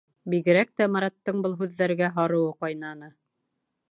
Бигерәк тә Мараттың был һүҙҙәргә һарыуы ҡайнаны.